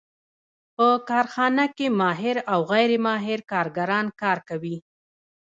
په کارخانه کې ماهر او غیر ماهر کارګران کار کوي